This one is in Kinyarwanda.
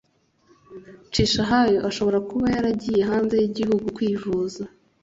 Cishahayo ashobora kuba yaragiye hanze y’igihugu kwivuza